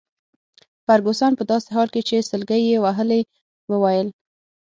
فرګوسن په داسي حال کي چي سلګۍ يې وهلې وویل.